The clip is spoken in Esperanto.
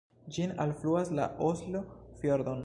Ĝin alfluas la Oslo-fjordon.